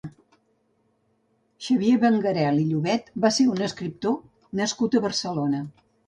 Xavier Benguerel i Llobet va ser un escriptor nascut a Barcelona.